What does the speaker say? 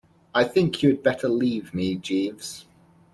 I think you had better leave me, Jeeves.